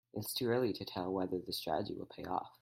It's too early to tell whether the strategy will pay off.